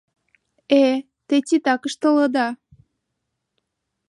Э... те титак ыштылыда...